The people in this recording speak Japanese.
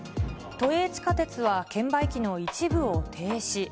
都営地下鉄は券売機の一部を停止。